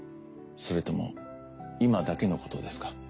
それとも今だけのことですか？